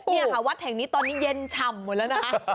นี่ค่ะวัดแห่งนี้ตอนนี้เย็นฉ่ำหมดแล้วนะ